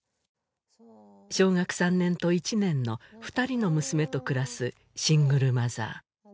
小学３年と１年の二人の娘と暮らすシングルマザー